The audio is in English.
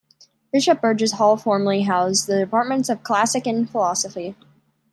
Bishop Burgess Hall formerly housed the departments of Classics and Philosophy.